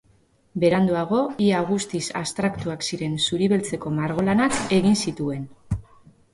Beranduago, ia guztiz abstraktuak ziren zuri-beltzeko margolanak egin zituen.